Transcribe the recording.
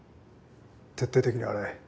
徹底的に洗え。